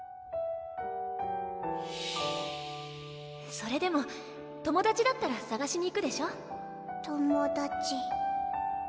それでも友達だったら捜しに行くでし友達